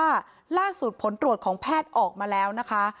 ต้องรอผลพิสูจน์จากแพทย์ก่อนนะคะ